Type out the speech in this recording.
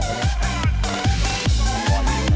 หว่ำขนาด